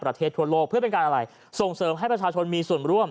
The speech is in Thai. ทั่วโลกเพื่อเป็นการอะไรส่งเสริมให้ประชาชนมีส่วนร่วม